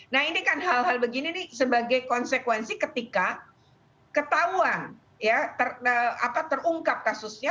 nah ini kan hal hal begini nih sebagai konsekuensi ketika ketahuan ya terungkap kasusnya